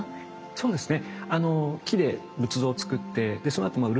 そうですね。